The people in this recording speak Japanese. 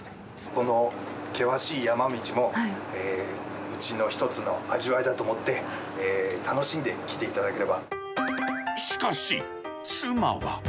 この険しい山道も、うちの一つの味わいだと思って、楽しんで来てしかし、妻は。